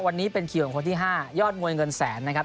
วันนี้เป็นคิวของคนที่๕ยอดมวยเงินแสนนะครับ